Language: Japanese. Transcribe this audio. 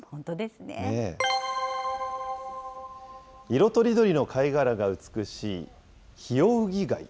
色とりどりの貝殻が美しいヒオウギ貝。